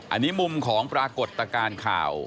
อันนี้มุมของปรากฏการณ์ข่าว